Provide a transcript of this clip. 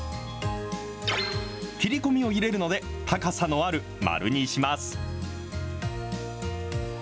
切り込みを入れるので、高さのある丸にします。